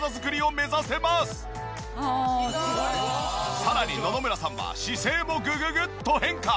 さらに野々村さんは姿勢もグググッと変化！